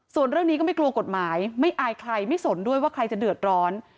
ส่วนเรื่องนี้ก็ไม่กลัวกฎหมายไม่อายใครไม่สนด้วยว่าใครจะเดือดร้อน